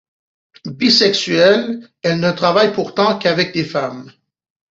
Bisexuelle, elle ne travaille pourtant qu'avec des femmes.